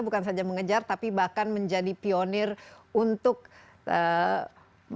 bukan saja mengejar tapi bahkan menjadi pionir untuk mengembangkan